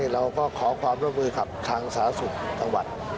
เราก็ขอความรับมือครับทางสาศุปิศสังวัล